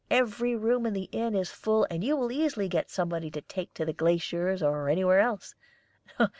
Every room in the inn is full, and you will easily get somebody to take to the glaciers or anywhere else."